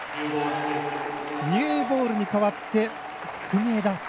ニューボールに替わって国枝。